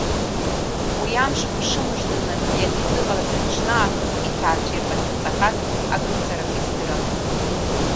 Уи амш, мшымыжданы ианизыҟалаз аҽны аахыс иҭаацәа ирлахьынҵахаз акымзарак издырамызт.